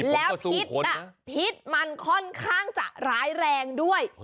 แล้วพิษพิษมันค่อนข้างจะร้ายแรงด้วย